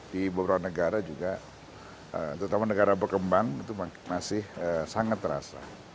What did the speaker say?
di beberapa negara juga terutama negara berkembang itu masih sangat terasa